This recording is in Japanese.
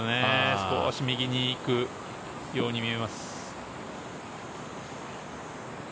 少し右に来るように見えます。